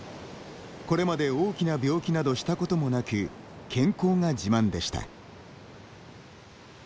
これまで、大きな病気などしたこともなく健康が自慢でした。